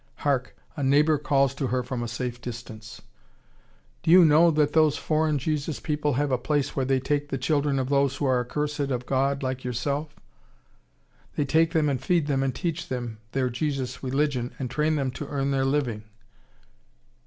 Hark, a neighbor calls to her from a safe distance, "Do you know that those foreign Jesus people have a place where they take the children of those who are accursed of God like yourself? They take them and feed them and teach them their Jesus religion and train them to earn their living."